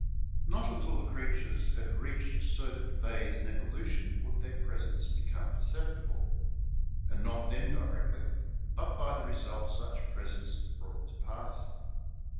Not until the creatures had reached a certain phase in evolution would their presence become perceptible; and not then directly, but by the results such presence brought to pass.